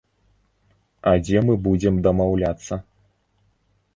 А дзе мы будзем дамаўляцца?!